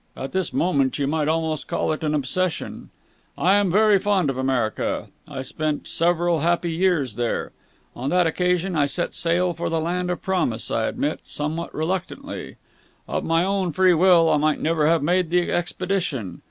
At this moment you might almost call it an obsession. I am very fond of America. I spent several happy years there. On that occasion I set sail for the land of promise, I admit, somewhat reluctantly. Of my own free will I might never have made the expedition.